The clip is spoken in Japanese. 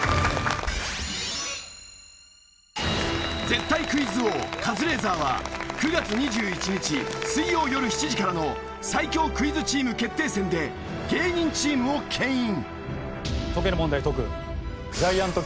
絶対クイズ王カズレーザーは９月２１日水曜よる７時からの最強クイズチーム決定戦で芸人チームを牽引。